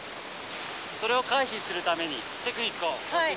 それを回避するためにテクニックをお教えします。